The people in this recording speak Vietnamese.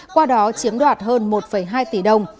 qua đó chiếm đoạt hơn một hai tỷ đồng